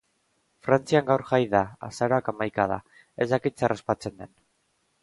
Frantzian gaur jai da, azaroak hamaika da. Ez dakit zer ospatzen den.